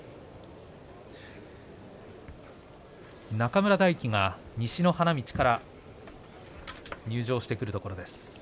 中村泰輝が西の花道から入場してくるところです。